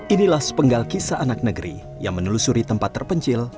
inilah sepenggal kisah anak negeri yang menelusuri tempat terpencil